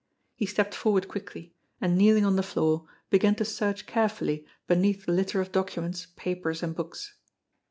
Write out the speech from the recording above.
He stepped forward quickly, and kneeling on the floor began to search carefully beneath the litter of documents, papers and books.